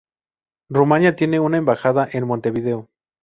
Rumania tiene una embajada en Montevideo.